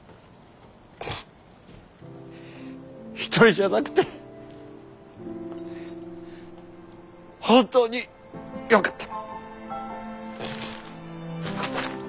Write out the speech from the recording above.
一人じゃなくて本当によかった。